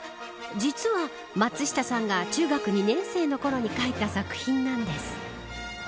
実は松下さんが中学２年生のころに描いた作品なんです。